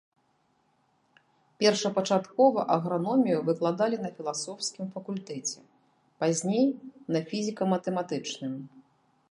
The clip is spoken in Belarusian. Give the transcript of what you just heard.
Першапачаткова аграномію выкладалі на філасофскім факультэце, пазней на фізіка-матэматычным.